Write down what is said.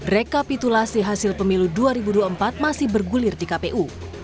rekapitulasi hasil pemilu dua ribu dua puluh empat masih bergulir di kpu